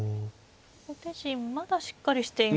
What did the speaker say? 後手陣まだしっかりしていますし。